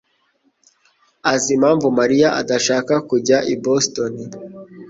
azi impamvu Mariya adashaka kujyana i Boston?